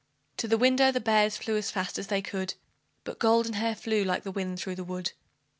To the window the bears ran as fast as they could, But Goldenhair flew like the wind through the wood.